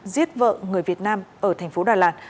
giết vợ người việt nam ở thành phố đà lạt